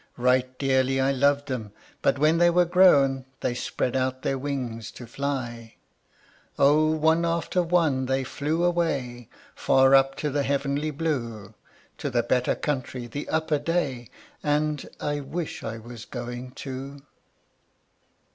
Right dearly I loved them: but when they were grown They spread out their wings to fly O, one after one they flew away Far up to the heavenly blue, To the better country, the upper day, And I wish I was going too.